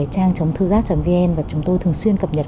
trang chống thư gác vn và chúng tôi thường xuyên cập nhật